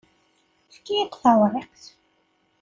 Efk-iyi-d tawriqt.